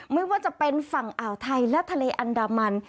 ไม่ว่าจะเป็นฝั่งอ่าวไทยและทะเลอันดามัน